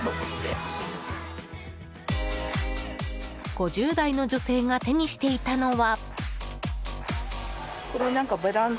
５０代の女性が手にしていたのは。